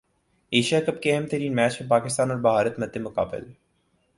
Asia cup کے اہم ترین میچ میں پاکستان اور بھارت مد مقابل